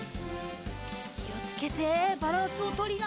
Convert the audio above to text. きをつけてバランスをとりながら。